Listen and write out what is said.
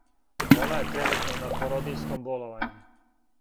Она је тренутно на породиљском боловању.